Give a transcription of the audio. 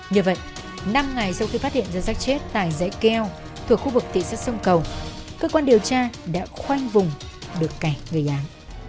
như vậy năm ngày sau khi phát hiện ra rác chết tại dãy keo thuộc khu vực thị xác sông cầu cơ quan điều tra đã khoanh vùng được cảnh người án